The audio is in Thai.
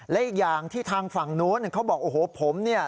และอีกอย่างที่ทางฝั่งโน้นเขาบอกโอ้โหผมเนี่ย